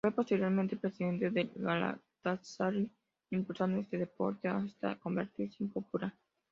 Fue posteriormente presidente del Galatasaray, impulsando este deporte hasta convertirse en popular.